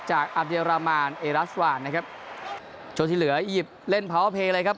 อับเดียรามานเอรัสวานนะครับช่วงที่เหลืออียิปต์เล่นพาวเพย์เลยครับ